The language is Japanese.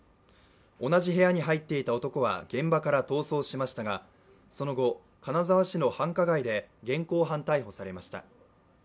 同じ部屋に入っていた男は現場から逃走しましたがその後、金沢市の繁華街で現行犯逮捕されました。